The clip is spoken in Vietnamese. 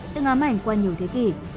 từng ám ảnh qua nhiều thế kỷ